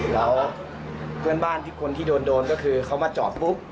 แล้วเพื่อนบ้านที่คนที่โดนก็คือเขามาจอดปุ๊บ